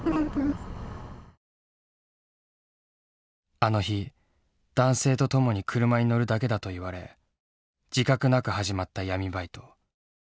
あの日男性と共に車に乗るだけだと言われ自覚なく始まった闇バイト。